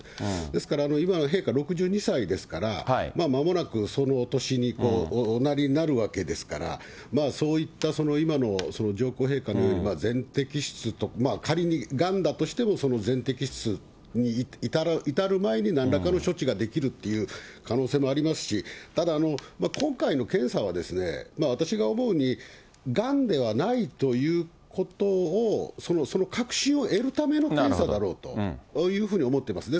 ですから、今、陛下６２歳ですから、まもなくそのお年におなりになるわけですから、そういった今の上皇陛下のように全摘出と、仮にがんだとしても、その全摘出に至る前になんらかの処置ができるっていう可能性もありますし、ただ、今回の検査は私が思うに、がんではないということを、その確信を得るための検査だろうというふうに思ってます。